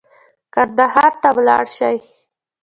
کندهار ته ولاړ شي.